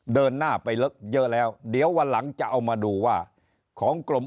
เดินหน้าไปเยอะแล้วเดี๋ยววันหลังจะเอามาดูว่าของกรม